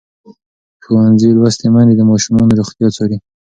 ښوونځې لوستې میندې د ماشومانو روغتیا څاري.